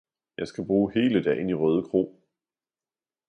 Jeg skal bruge hele dagen i Rødekro